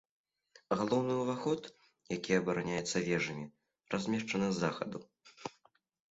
Галоўны ўваход, які абараняецца вежамі, размешчаны з захаду.